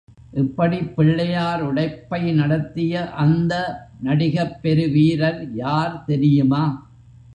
இப்படிப் பிள்ளையார் உடைப்பை நடத்திய அந்த நடிகப் பெரு வீரர் யார் தெரியுமா?